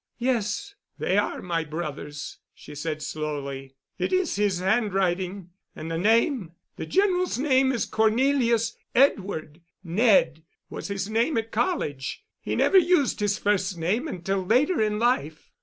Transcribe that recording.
"Yes, they are my brother's," she said slowly. "It is his handwriting—and the name—the General's name is Cornelius Edward—'Ned' was his name at college—he never used his first name until later in life.